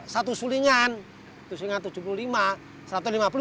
satu sulingan itu sulingan tujuh puluh lima